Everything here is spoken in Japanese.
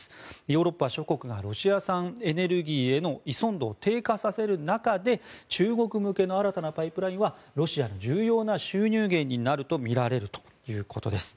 ヨーロッパ諸国がロシア産エネルギーへの依存度を低下させる中で中国向けの新たなパイプラインはロシアの重要な収入源になるとみられるということです。